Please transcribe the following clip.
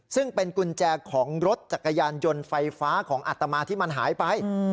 ซึ่งเป็นกุญแจของรถจักรยานยนต์ไฟฟ้าของอัตมาที่มันหายไป